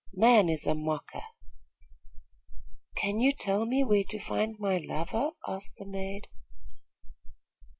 Man is a mocker.' 'Can you tell me where to find my lover?' asked the maid.